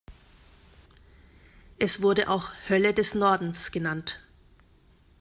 Es wurde auch "Hölle des Nordens" genannt.